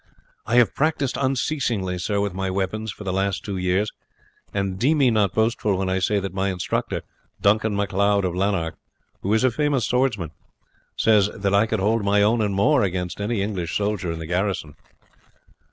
"I have practised unceasingly, sir, with my weapons for the last two years; and deem me not boastful when I say that my instructor, Duncan Macleod of Lanark, who is a famous swordsman, says that I could hold my own and more against any English soldier in the garrison."